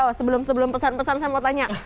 oh sebelum sebelum pesan pesan saya mau tanya